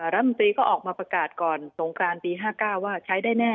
รัฐมนตรีก็ออกมาประกาศก่อนสงกรานปี๕๙ว่าใช้ได้แน่